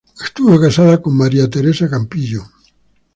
Estuvo casado con María Teresa Campillo.